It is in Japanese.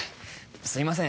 すいません